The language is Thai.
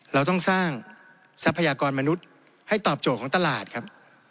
เราต้องสร้างทรัพยากรมนุษย์ให้ตอบโจทย์ของตลาดครับ